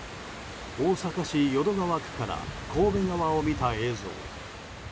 大阪市淀川区から神戸川を見た映像。